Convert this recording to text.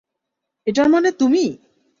এটার মানে তুমি!